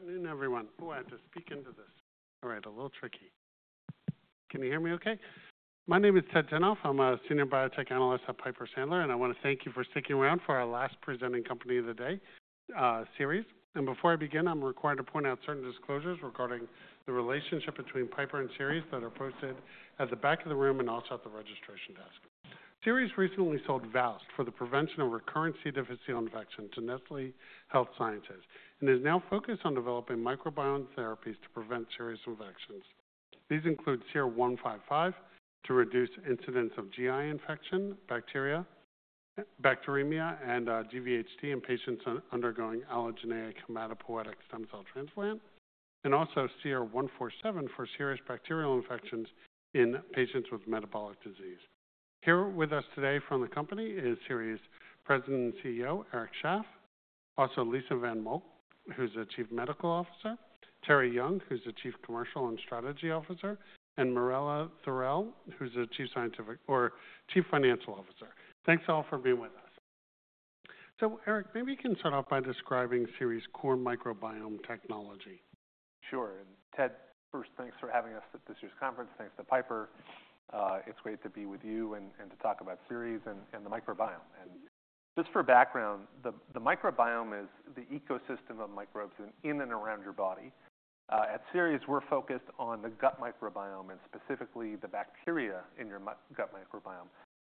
Good afternoon, everyone. Oh, I have to speak into this. All right, a little tricky. Can you hear me okay? My name is Ted Tenthoff. I'm a Senior Biotech Analyst at Piper Sandler, and I want to thank you for sticking around for our last presenting company of the day, Seres. Before I begin, I'm required to point out certain disclosures regarding the relationship between Piper and Seres that are posted at the back of the room and also at the registration desk. Seres recently sold VOWST for the prevention of recurrent C. difficile infections to Nestlé Health Science and is now focused on developing microbiome therapies to prevent serious infections. These include SER-155 to reduce incidence of GI infection, bacteria, bacteremia, and GvHD in patients undergoing allogeneic hematopoietic stem cell transplant, and also SER-147 for serious bacterial infections in patients with metabolic disease. Here with us today from the company is Seres' President and CEO, Eric Shaff, also Lisa von Moltke, who's the Chief Medical Officer, Terri Young, who's the Chief Commercial and Strategy Officer, and Marella Thorell, who's the Chief Financial Officer. Thanks all for being with us. So, Eric, maybe you can start off by describing Seres' core microbiome technology. Sure. And Ted, first, thanks for having us at this year's conference. Thanks to Piper. It's great to be with you and to talk about Seres and the microbiome. And just for background, the microbiome is the ecosystem of microbes in and around your body. At Seres, we're focused on the gut microbiome and specifically the bacteria in your gut microbiome.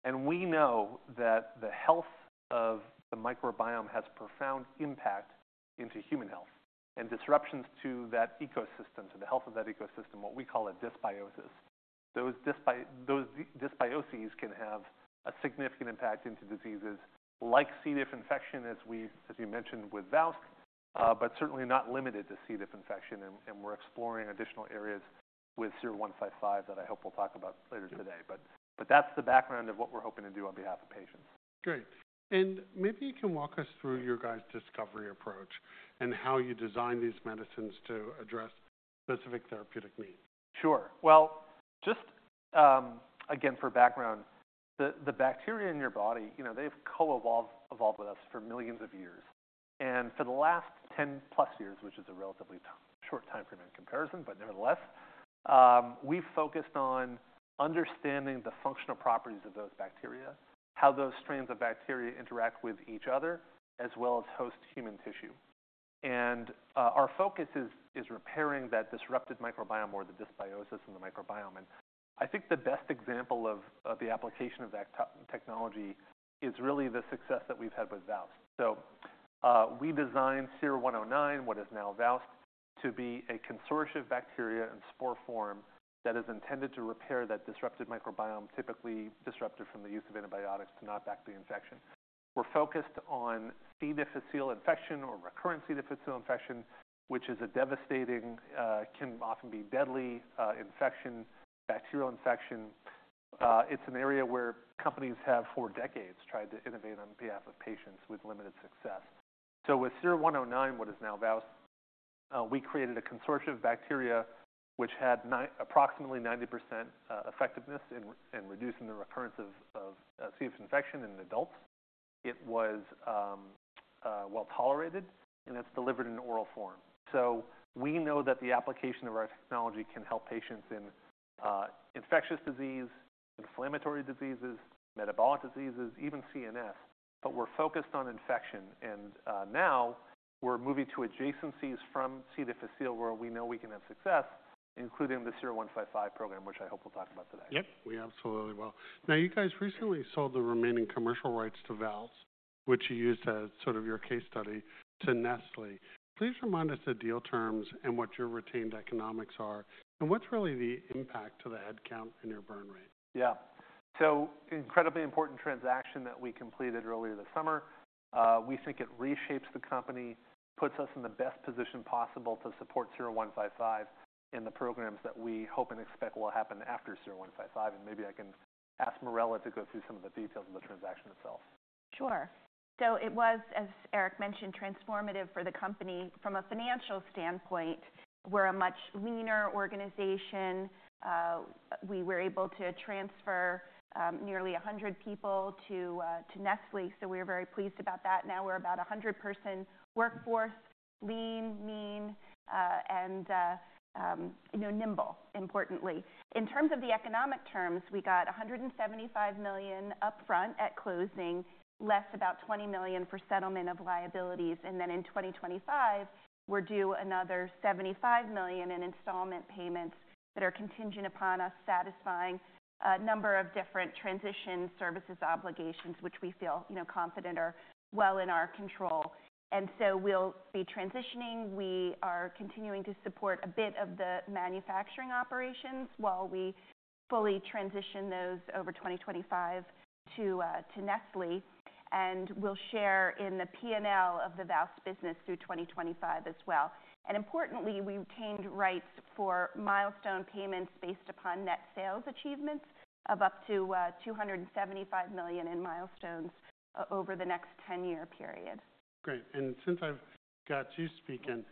And we know that the health of the microbiome has profound impact into human health and disruptions to that ecosystem, to the health of that ecosystem, what we call a dysbiosis. Those dysbioses can have a significant impact into diseases like C. diff infection, as we, as you mentioned, with VOWST, but certainly not limited to C. diff infection. And we're exploring additional areas with SER-155 that I hope we'll talk about later today. But that's the background of what we're hoping to do on behalf of patients. Great. And maybe you can walk us through your guys' discovery approach and how you design these medicines to address specific therapeutic needs? Sure. Well, just again for background, the bacteria in your body, you know, they've co-evolved with us for millions of years, and for the last 10+ years, which is a relatively short time frame in comparison, but nevertheless, we've focused on understanding the functional properties of those bacteria, how those strains of bacteria interact with each other, as well as host human tissue, and our focus is repairing that disrupted microbiome or the dysbiosis in the microbiome, and I think the best example of the application of that technology is really the success that we've had with VOWST, so we designed SER-109, what is now VOWST, to be a consortium of bacteria in spore form that is intended to repair that disrupted microbiome, typically disrupted from the use of antibiotics to not bring back the infection. We're focused on C. difficile infection or recurrent C. Difficile infection, which is a devastating, can often be deadly, infection, bacterial infection. It's an area where companies have for decades tried to innovate on behalf of patients with limited success. With SER-109, what is now VOWST, we created a consortium of bacteria which had approximately 90% effectiveness in reducing the recurrence of C. diff infection in adults. It was well tolerated, and it's delivered in oral form. We know that the application of our technology can help patients in infectious disease, inflammatory diseases, metabolic diseases, even CNS, but we're focused on infection. Now we're moving to adjacencies from C. difficile where we know we can have success, including the SER-155 program, which I hope we'll talk about today. Yep, we absolutely will. Now, you guys recently sold the remaining commercial rights to VOWST, which you used as sort of your case study to Nestlé. Please remind us the deal terms and what your retained economics are and what's really the impact to the headcount and your burn rate? Yeah. So incredibly important transaction that we completed earlier this summer. We think it reshapes the company, puts us in the best position possible to support SER-155 and the programs that we hope and expect will happen after SER-155. And maybe I can ask Marella to go through some of the details of the transaction itself. Sure. So it was, as Eric mentioned, transformative for the company. From a financial standpoint, we're a much leaner organization. We were able to transfer nearly 100 people to Nestlé. So we were very pleased about that. Now we're about a 100-person workforce, lean, mean, and, you know, nimble, importantly. In terms of the economic terms, we got $175 million upfront at closing, less about $20 million for settlement of liabilities. And then in 2025, we're due another $75 million in installment payments that are contingent upon us satisfying a number of different transition services obligations, which we feel, you know, confident are well in our control. And so we'll be transitioning. We are continuing to support a bit of the manufacturing operations while we fully transition those over 2025 to Nestlé. And we'll share in the P&L of the VOWST business through 2025 as well. And importantly, we retained rights for milestone payments based upon net sales achievements of up to $275 million in milestones over the next 10-year period. Great. And since I've got you speaking,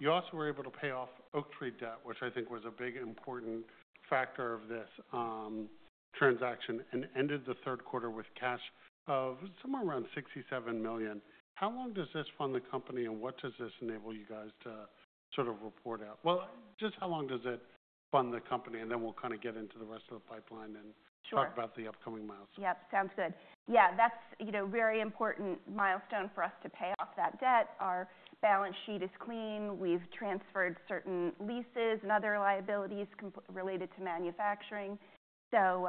you also were able to pay off Oaktree debt, which I think was a big important factor of this transaction, and ended the third quarter with cash of somewhere around $67 million. How long does this fund the company, and what does this enable you guys to sort of report out? Well, just how long does it fund the company? And then we'll kind of get into the rest of the pipeline and talk about the upcoming milestones. Sure. Yep, sounds good. Yeah, that's, you know, very important milestone for us to pay off that debt. Our balance sheet is clean. We've transferred certain leases and other liabilities related to manufacturing. So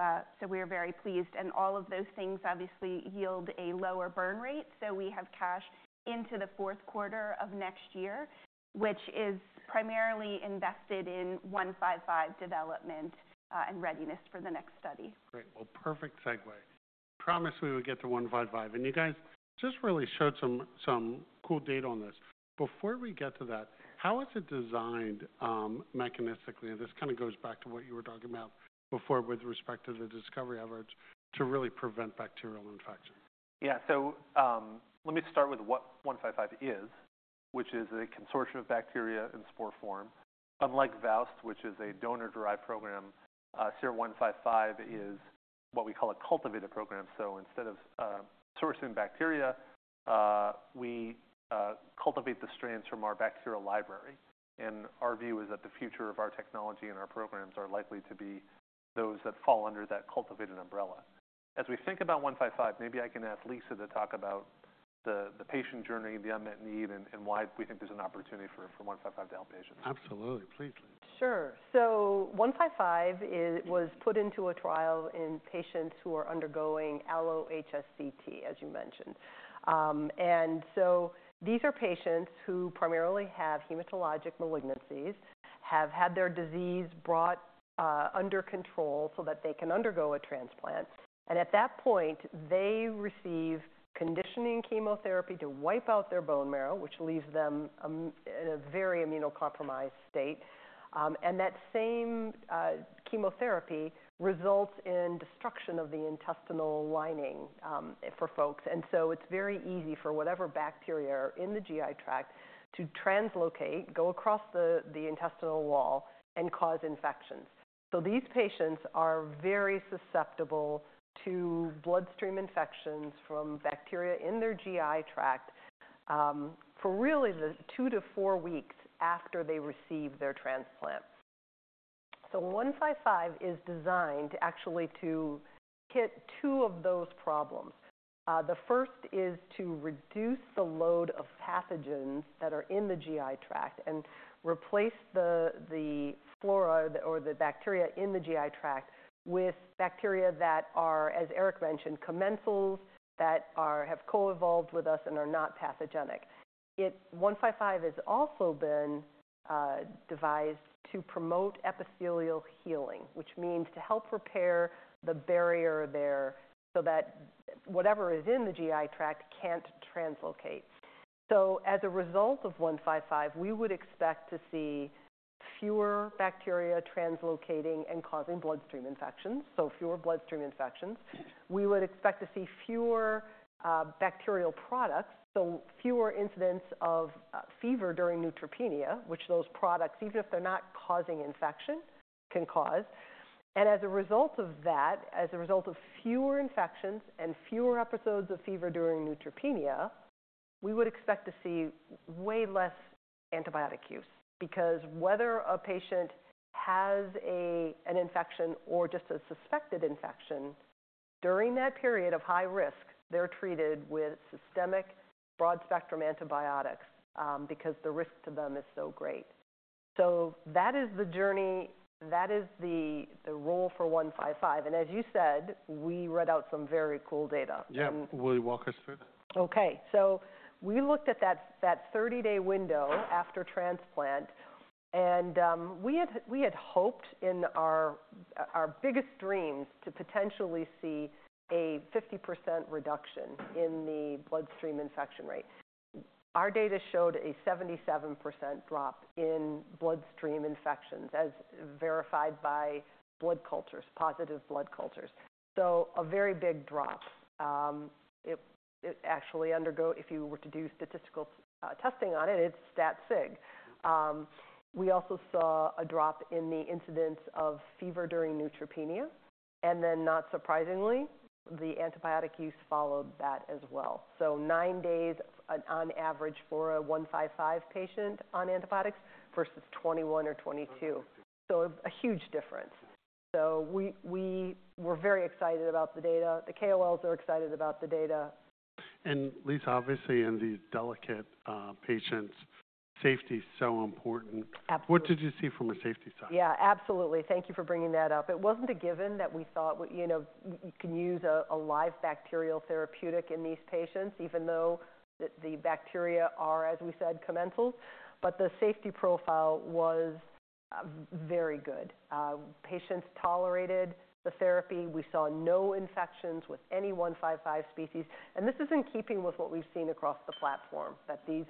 we are very pleased. And all of those things obviously yield a lower burn rate. So we have cash into the fourth quarter of next year, which is primarily invested in 155 development, and readiness for the next study. Great. Well, perfect segue. We promised we would get to 155. And you guys just really showed some cool data on this. Before we get to that, how is it designed, mechanistically? And this kind of goes back to what you were talking about before with respect to the discovery efforts to really prevent bacterial infection. Yeah. So, let me start with what SER-155 is, which is a consortium of bacteria in spore form. Unlike VOWST, which is a donor-derived program, SER-155 is what we call a cultivated program. So instead of sourcing bacteria, we cultivate the strains from our bacterial library. And our view is that the future of our technology and our programs are likely to be those that fall under that cultivated umbrella. As we think about SER-155, maybe I can ask Lisa to talk about the patient journey, the unmet need, and why we think there's an opportunity for SER-155 to help patients. Absolutely. Please, Lisa. Sure. So 155 was put into a trial in patients who are undergoing allo-HSCT, as you mentioned. And so these are patients who primarily have hematologic malignancies, have had their disease brought under control so that they can undergo a transplant. And at that point, they receive conditioning chemotherapy to wipe out their bone marrow, which leaves them in a very immunocompromised state. And that same chemotherapy results in destruction of the intestinal lining, for folks. And so it's very easy for whatever bacteria are in the GI tract to translocate, go across the intestinal wall, and cause infections. So these patients are very susceptible to bloodstream infections from bacteria in their GI tract, for really the two to four weeks after they receive their transplant. So 155 is designed actually to hit two of those problems. The first is to reduce the load of pathogens that are in the GI tract and replace the flora or the bacteria in the GI tract with bacteria that are, as Eric mentioned, commensals that have co-evolved with us and are not pathogenic. SER-155 has also been devised to promote epithelial healing, which means to help repair the barrier there so that whatever is in the GI tract can't translocate. So as a result of SER-155, we would expect to see fewer bacteria translocating and causing bloodstream infections, so fewer bloodstream infections. We would expect to see fewer bacterial products, so fewer incidents of fever during neutropenia, which those products, even if they're not causing infection, can cause. And as a result of that, as a result of fewer infections and fewer episodes of fever during neutropenia, we would expect to see way less antibiotic use because whether a patient has an infection or just a suspected infection during that period of high risk, they're treated with systemic broad-spectrum antibiotics, because the risk to them is so great. So that is the journey. That is the role for 155. And as you said, we read out some very cool data. Yeah. Will you walk us through that? Okay. So we looked at that 30-day window after transplant. We had hoped in our biggest dreams to potentially see a 50% reduction in the bloodstream infection rate. Our data showed a 77% drop in bloodstream infections as verified by blood cultures, positive blood cultures. So a very big drop. It actually, if you were to do statistical testing on it, it's stat sig. We also saw a drop in the incidence of fever during neutropenia. And then not surprisingly, the antibiotic use followed that as well. So nine days on average for a SER-155 patient on antibiotics versus 21 or 22. So a huge difference. So we were very excited about the data. The KOLs are excited about the data. Lisa, obviously, in these delicate patients, safety is so important. Absolutely. What did you see from a safety side? Yeah, absolutely. Thank you for bringing that up. It wasn't a given that we thought, you know, you can use a live bacterial therapeutic in these patients, even though the bacteria are, as we said, commensals. But the safety profile was very good. Patients tolerated the therapy. We saw no infections with any 155 species. And this is in keeping with what we've seen across the platform, that these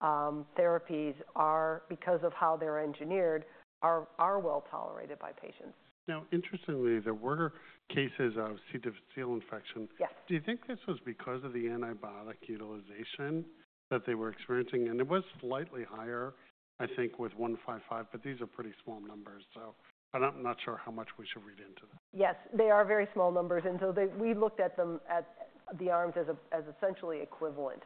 bacterial therapies are, because of how they're engineered, well tolerated by patients. Now, interestingly, there were cases of C. difficile infection. Yes. Do you think this was because of the antibiotic utilization that they were experiencing? And it was slightly higher, I think, with 155, but these are pretty small numbers. So I'm not sure how much we should read into that. Yes, they are very small numbers, and so we looked at them at the arms as essentially equivalent.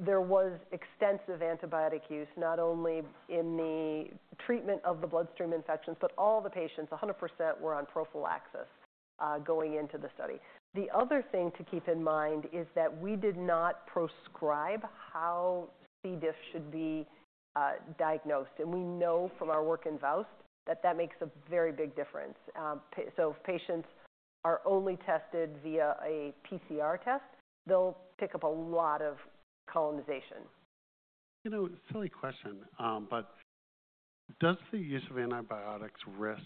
There was extensive antibiotic use, not only in the treatment of the bloodstream infections, but all the patients, 100%, were on prophylaxis, going into the study. The other thing to keep in mind is that we did not prescribe how C. diff should be diagnosed, and we know from our work in VOWST that that makes a very big difference, so if patients are only tested via a PCR test, they'll pick up a lot of colonization. You know, silly question, but does the use of antibiotics risk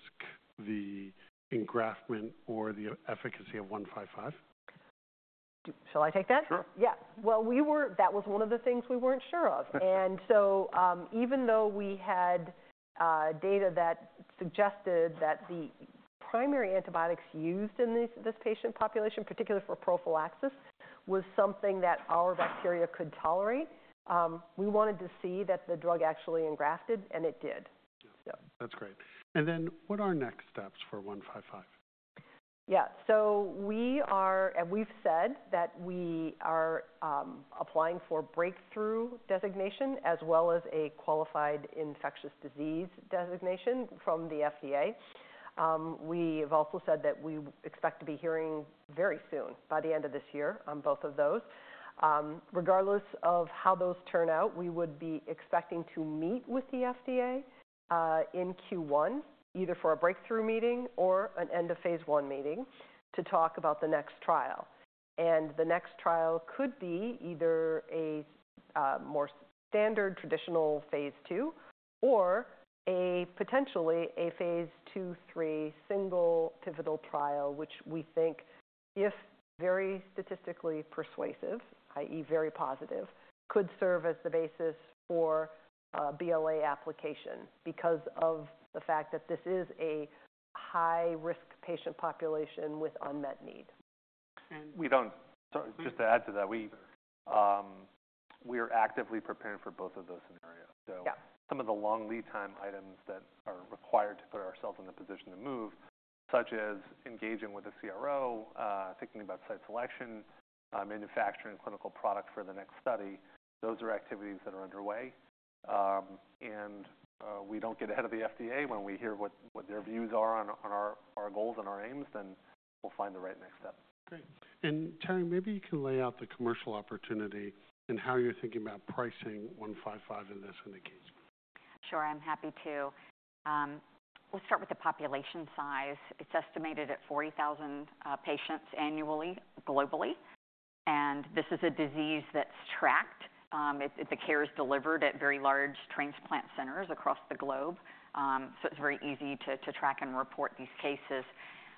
the engraftment or the efficacy of 155? Shall I take that? Sure. Yeah. Well, we were. That was one of the things we weren't sure of. And so, even though we had data that suggested that the primary antibiotics used in this patient population, particularly for prophylaxis, was something that our bacteria could tolerate, we wanted to see that the drug actually engrafted, and it did. Yeah. That's great, and then what are our next steps for 155? Yeah. So we are, and we've said that we are, applying for breakthrough designation as well as a qualified infectious disease designation from the FDA. We have also said that we expect to be hearing very soon, by the end of this year, on both of those. Regardless of how those turn out, we would be expecting to meet with the FDA, in Q1, either for a breakthrough meeting or an end-of-phase one meeting to talk about the next trial. The next trial could be either a more standard, traditional phase two, or potentially a phase two, three single pivotal trial, which we think, if very statistically persuasive, i.e., very positive, could serve as the basis for BLA application because of the fact that this is a high-risk patient population with unmet need. And. We don't. Sorry. Just to add to that, we are actively preparing for both of those scenarios. So. Yeah. Some of the long lead time items that are required to put ourselves in the position to move, such as engaging with the CRO, thinking about site selection, manufacturing clinical product for the next study, those are activities that are underway, and we don't get ahead of the FDA when we hear what their views are on our goals and our aims, then we'll find the right next step. Great. And Terri, maybe you can lay out the commercial opportunity and how you're thinking about pricing 155 in this indication. Sure. I'm happy to. We'll start with the population size. It's estimated at 40,000 patients annually, globally. And this is a disease that's tracked. It, the care is delivered at very large transplant centers across the globe, so it's very easy to track and report these cases,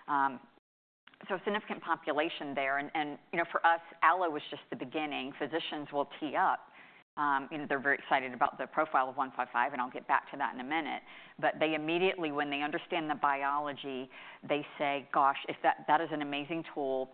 so significant population there. And, you know, for us, allo was just the beginning. Physicians will tee up. You know, they're very excited about the profile of 155, and I'll get back to that in a minute. But they immediately, when they understand the biology, they say, "Gosh, if that is an amazing tool,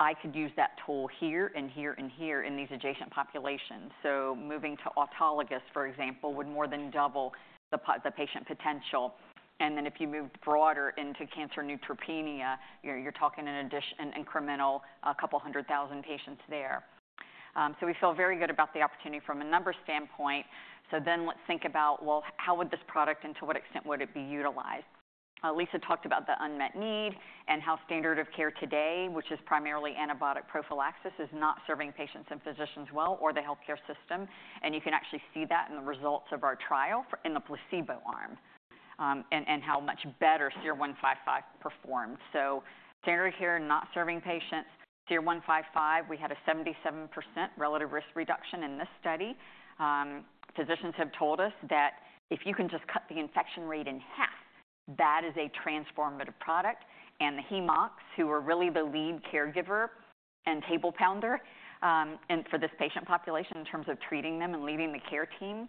I could use that tool here and here and here in these adjacent populations, so moving to autologous, for example, would more than double the patient potential. And then, if you move broader into cancer neutropenia, you're talking an additional, incremental couple hundred thousand patients there. So we feel very good about the opportunity from a numbers standpoint. So then, let's think about well, how would this product and to what extent would it be utilized. Lisa talked about the unmet need and how standard of care today, which is primarily antibiotic prophylaxis, is not serving patients and physicians well or the healthcare system. And you can actually see that in the results of our trial in the placebo arm, and how much better SER-155 performed. So standard of care not serving patients. SER-155, we had a 77% relative risk reduction in this study. Physicians have told us that if you can just cut the infection rate in half, that is a transformative product. And the hem/onc, who are really the lead caregiver and table pounder, and for this patient population in terms of treating them and leading the care team,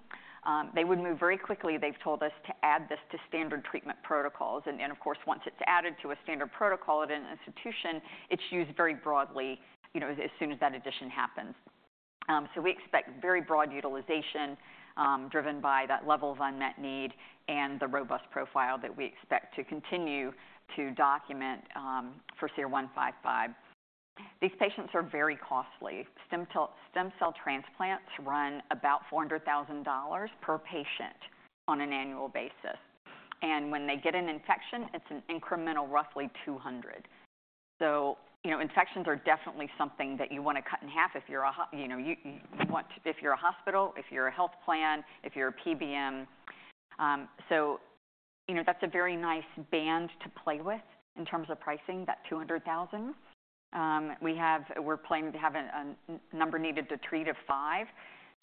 they would move very quickly, they've told us, to add this to standard treatment protocols. And then, of course, once it's added to a standard protocol at an institution, it's used very broadly, you know, as soon as that addition happens. So we expect very broad utilization, driven by that level of unmet need and the robust profile that we expect to continue to document, for SER-155. These patients are very costly. Stem cell, stem cell transplants run about $400,000 per patient on an annual basis. And when they get an infection, it's an incremental roughly 200. So, you know, infections are definitely something that you want to cut in half if you're a hospital, if you're a health plan, if you're a PBM. So, you know, that's a very nice band to play with in terms of pricing, that 200,000. We have, we're planning to have a number needed to treat of five.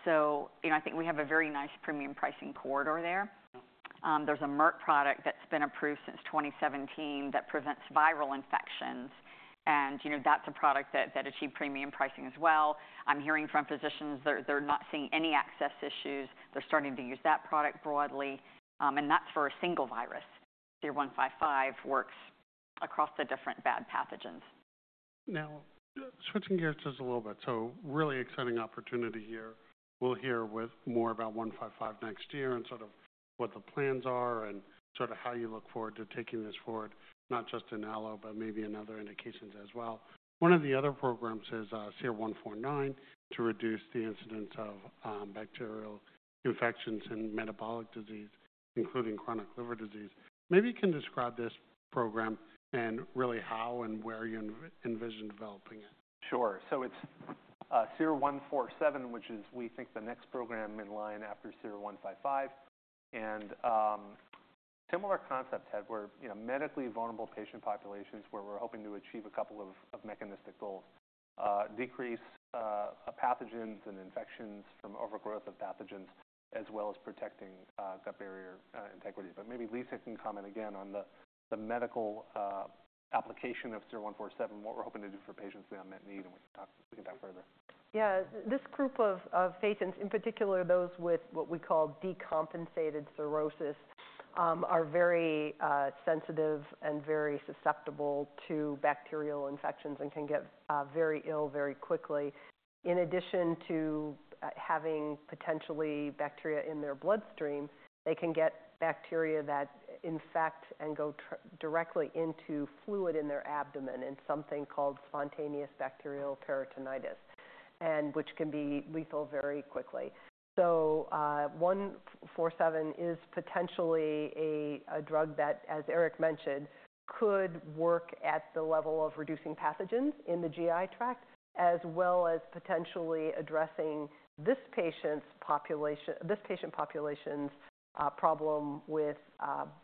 So, you know, I think we have a very nice premium pricing corridor there. There's a Merck product that's been approved since 2017 that prevents viral infections. And, you know, that's a product that achieved premium pricing as well. I'm hearing from physicians they're not seeing any access issues. They're starting to use that product broadly. And that's for a single virus. SER-155 works across the different bad pathogens. Now, switching gears just a little bit, so really exciting opportunity here. We'll hear more about SER-155 next year and sort of what the plans are and sort of how you look forward to taking this forward, not just in allo but maybe in other indications as well. One of the other programs is SER-147 to reduce the incidence of bacterial infections and metabolic disease, including chronic liver disease. Maybe you can describe this program and really how and where you envision developing it. Sure. So it's SER-147, which is, we think, the next program in line after SER-155. And similar concept, Ted, where, you know, medically vulnerable patient populations where we're hoping to achieve a couple of mechanistic goals, decrease pathogens and infections from overgrowth of pathogens, as well as protecting gut barrier integrity. But maybe Lisa can comment again on the medical application of SER-147, what we're hoping to do for patients with the unmet need, and we can talk further. Yeah. This group of patients, in particular those with what we call decompensated cirrhosis, are very sensitive and very susceptible to bacterial infections and can get very ill very quickly. In addition to having potentially bacteria in their bloodstream, they can get bacteria that infect and go directly into fluid in their abdomen in something called spontaneous bacterial peritonitis, and which can be lethal very quickly, so 147 is potentially a drug that, as Eric mentioned, could work at the level of reducing pathogens in the GI tract, as well as potentially addressing this patient population's problem with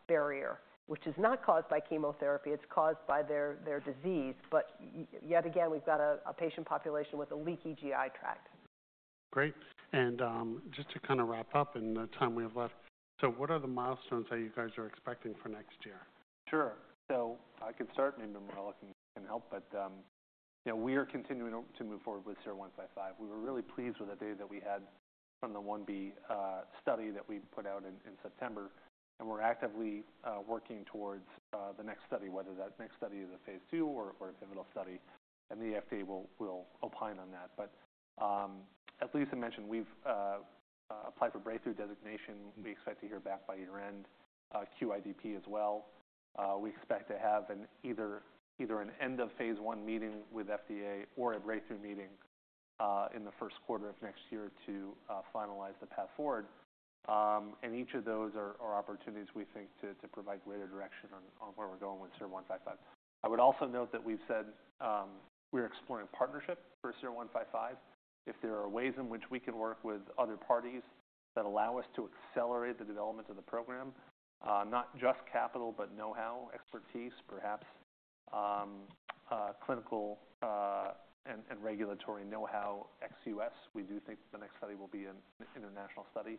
barrier, which is not caused by chemotherapy, it's caused by their disease, but yet again, we've got a patient population with a leaky GI tract. Great, and just to kind of wrap up in the time we have left, so what are the milestones that you guys are expecting for next year? Sure. So I can start, and then Marella can help. But, you know, we are continuing to move forward with SER-155. We were really pleased with the data that we had from the 1b study that we put out in September. And we're actively working towards the next study, whether that next study is a phase two or a pivotal study. And the FDA will opine on that. But, as Lisa mentioned, we've applied for breakthrough designation. We expect to hear back by year-end, QIDP as well. We expect to have an end-of-phase one meeting with FDA or a breakthrough meeting in the first quarter of next year to finalize the path forward. And each of those are opportunities, we think, to provide greater direction on where we're going with SER-155. I would also note that we've said, we're exploring partnership for SER-155. If there are ways in which we can work with other parties that allow us to accelerate the development of the program, not just capital, but know-how, expertise, perhaps, clinical, and regulatory know-how, ex-U.S., we do think the next study will be an international study.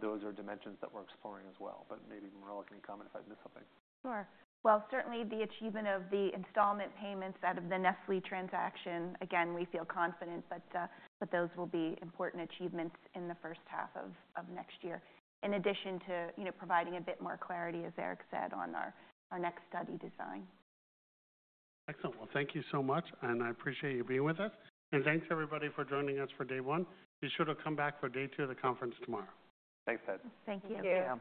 Those are dimensions that we're exploring as well. But maybe Marella, can you comment if I missed something? Sure. Well, certainly the achievement of the installment payments out of the Nestlé transaction, again, we feel confident, but those will be important achievements in the first half of next year, in addition to, you know, providing a bit more clarity, as Eric said, on our next study design. Excellent. Well, thank you so much. And I appreciate you being with us. And thanks, everybody, for joining us for day one. Be sure to come back for day two of the conference tomorrow. Thanks, Ted. Thank you. Thank you. Thank you, Ann.